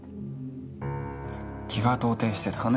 気が動転してたんです。